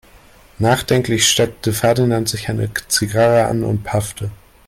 Nachdenklich steckte Ferdinand sich eine Zigarre an und paffte.